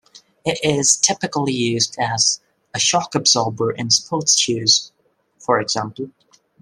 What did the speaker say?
It is typically used as a shock absorber in sports shoes, for example.